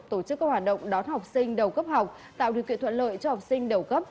tổ chức các hoạt động đón học sinh đầu cấp học tạo điều kiện thuận lợi cho học sinh đầu cấp